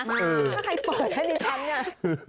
ถ้าใครเปิดให้ดิฉันเนี่ย